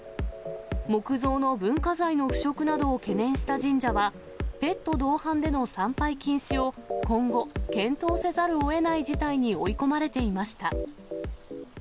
木造の文化財の腐食などを懸念した神社は、ペット同伴での参拝禁止を今後、検討せざるをえない事態に追い込まれていました。